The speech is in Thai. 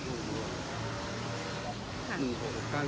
แต่วันเรื่องนี้ก็จะย้ำเพราะว่า